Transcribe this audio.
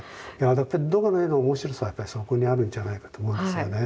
ドガの絵の面白さはやっぱりそこにあるんじゃないかと思うんですよね。